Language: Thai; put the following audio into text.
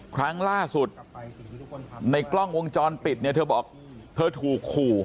ครั้งล่าสุดในกล้องวงจรปิดเนี่ยเธอบอกเธอถูกขู่